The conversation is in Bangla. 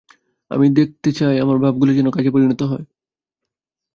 আমি দেখতে চাই আমার ভাবগুলি যেন কাজে পরিণত হয়।